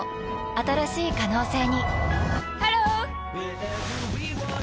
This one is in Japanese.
新しい可能性にハロー！